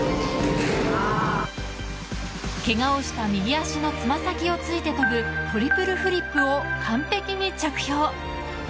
けがをした右足の爪先をついて跳ぶトリプルフリップを完璧に着氷。